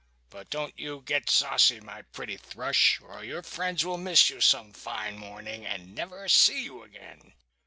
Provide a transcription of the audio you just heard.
But don't you get saucy, my pretty thrush, or your friends will miss you some fine morning, and never see you again."